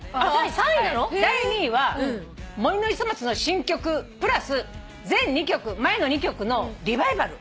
第２位は「森の磯松の新曲プラス前２曲前の２曲のリバイバル」